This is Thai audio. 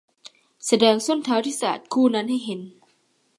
แสดงส้นเท้าที่สะอาดคู่นั้นให้เห็น